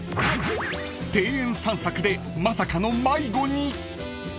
［庭園散策でまさかの迷子に！？］